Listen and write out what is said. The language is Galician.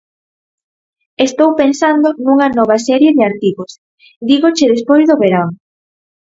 "Estou pensando nunha nova serie de artigos, dígoche despois do verán".